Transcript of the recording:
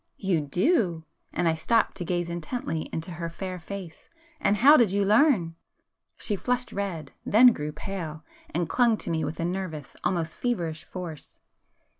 "You do!" and I stopped to gaze intently into her fair face—"And how did you learn?" She flushed red,—then grew pale,—and clung to me with a nervous, almost feverish force.